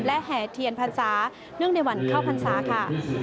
และแห่เทียนพรรษาเนื่องในวันเข้าพรรษาค่ะ